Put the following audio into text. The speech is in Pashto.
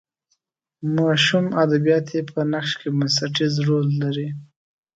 ماشوم ادبیات یې په نقش کې بنسټیز رول لري.